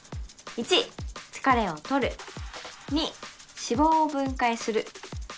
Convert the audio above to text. １疲れをとる２脂肪を分解する